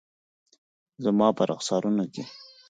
زما په رخسارونو کې